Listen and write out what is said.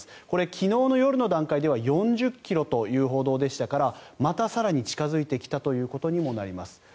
これ、昨日の夜の段階では４０ｋｍという報道でしたからまた更に近付いてきたということにもなります。